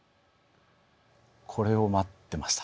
これを待ってました。